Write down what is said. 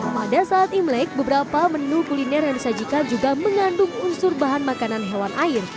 pada saat imlek beberapa menu kuliner yang disajikan juga mengandung unsur bahan makanan hewan air